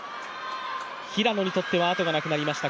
平野にとってはあとがなくなりました